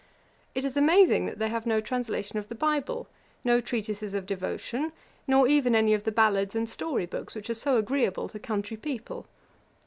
It is amazing, that they have no translation of the bible, no treatises of devotion, nor even any of the ballads and storybooks which are so agreeable to country people.